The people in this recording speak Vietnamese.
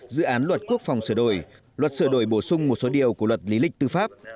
dự án luật quốc phòng sửa đổi luật sửa đổi bổ sung một số điều của luật lý lịch tư pháp